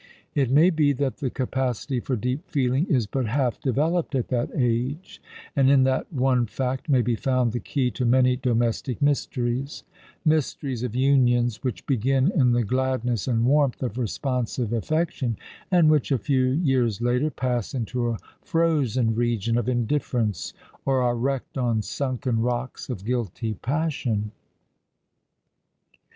It may be that the capacity for deep feeling is but half developed at that ago, and in that one fact may be found the key to many domestic mysteries ; mysteries of unions which begin in the gladness and warmth of responsive affection, and which, a few years later, pass into a frozen region of indifference or are wrecked on sunken rocks of guilty passion.